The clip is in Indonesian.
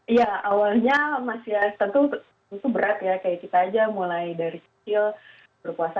iya awalnya masih ya tentu berat ya kayak kita aja mulai dari kecil berpuasa